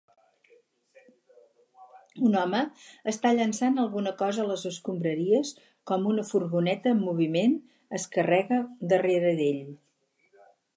Un home està llançant alguna cosa a les escombraries com una furgoneta en moviment es carrega darrere d'ell